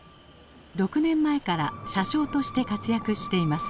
６年前から車掌として活躍しています。